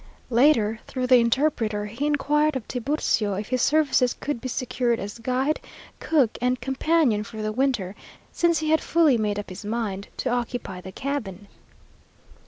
Later, through the interpreter he inquired of Tiburcio if his services could be secured as guide, cook, and companion for the winter, since he had fully made up his mind to occupy the cabin.